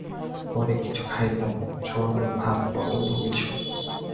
পরে কিছু খাইতাম, সামান্য ভাত বা অন্য কিছু।